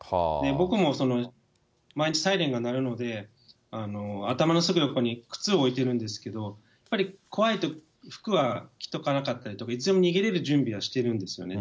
僕も毎日サイレンが鳴るので、頭のすぐ横に靴を置いてるんですけれども、やっぱり怖いと、服は着とかなかったりとかいつでも逃げれる準備はしてるんですよね。